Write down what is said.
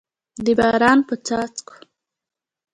د باران په څاڅکو